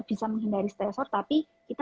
bisa menghindari stresor tapi kita